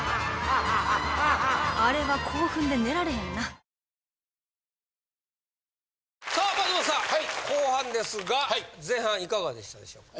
初「ビアボール」！さあ松本さん後半ですが前半いかがでしたでしょうか？